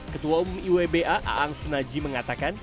ketua umum iwba aang sunaji mengatakan